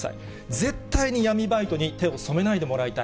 絶対に闇バイトに手を染めないでもらいたい。